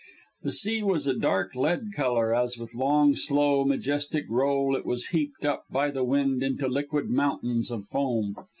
The sea was a dark lead color as with long, slow, majestic roll it was heaped up by the wind into liquid mountains of foam.